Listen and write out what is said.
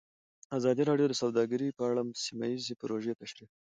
ازادي راډیو د سوداګري په اړه سیمه ییزې پروژې تشریح کړې.